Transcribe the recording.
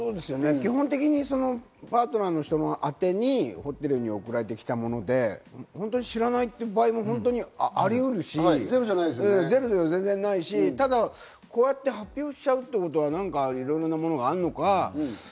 基本的にパートナーの人宛てにホテルに送られてきたもので、知らない場合も本当にありうるし、ゼロじゃないし、こうやって発表しちゃうってことは、いろんなものがあるのか。